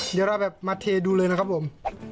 เดี๋ยวเราแบบมาเทดูเลยนะครับผม